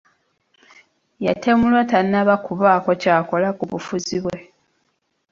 Yatemulwa tannaba kubaako ky'akola ku bufuzi bwe.